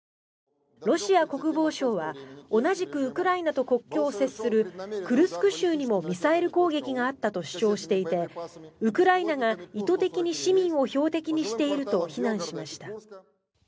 ロシア国防省は同じくウクライナと国境を接するクルスク州にもミサイル攻撃があったと主張していてウクライナが意図的に市民を標的にしていると非難しました。